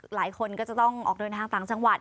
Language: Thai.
หลายคนก็จะต้องออกเดินทางต่างจังหวัด